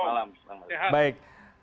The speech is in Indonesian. selamat malam mas melena